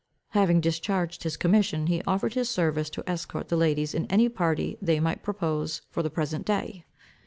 Having discharged his commission, he offered his service to escort the ladies in any party they might propose for the present day.